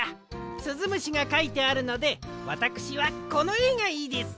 すずむしがかいてあるのでわたくしはこのえがいいです！